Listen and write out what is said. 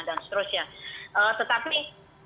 dan seterusnya tetapi